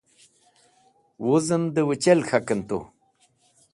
Wuzẽm dẽ wẽchel k̃hakẽn tu.